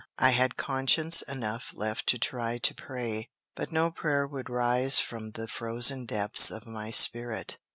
I had conscience enough left to try to pray, but no prayer would rise from the frozen depths of my spirit.